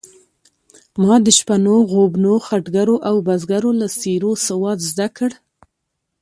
ما د شپنو، غوبنو، خټګرو او بزګرو له څېرو سواد زده کړ.